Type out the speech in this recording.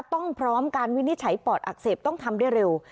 พร้อมการวินิจฉัยปอดอักเสบต้องทำได้เร็ว